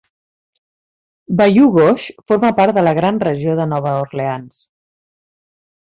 Bayou Gauche forma part de la gran regió de Nova Orleans.